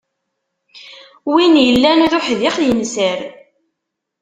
Win illan d uḥdiq, inser.